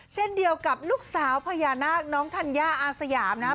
เช่นเดียวกับลูกสาวพญานาคน้องธัญญาอาสยามนะครับ